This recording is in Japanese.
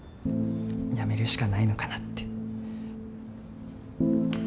やめるしかないのかなって。